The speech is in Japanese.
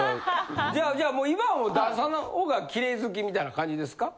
じゃあじゃあもう今は旦那さんのほうがキレイ好きみたいな感じですか？